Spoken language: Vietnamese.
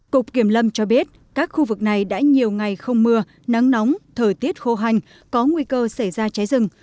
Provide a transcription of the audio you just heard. cục kiểm lâm cho biết các khu vực này đã nhiều ngày không mưa nắng nóng thời tiết khô hành có nguy cơ xảy ra cháy rừng